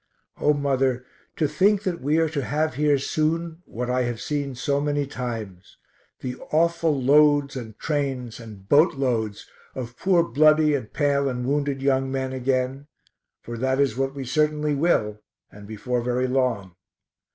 O mother, to think that we are to have here soon what I have seen so many times, the awful loads and trains and boat loads of poor bloody and pale and wounded young men again for that is what we certainly will, and before very long.